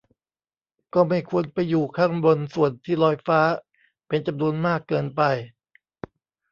ก็ไม่ควรไปอยู่ข้างบนส่วนที่ลอยฟ้าเป็นจำนวนมากเกินไป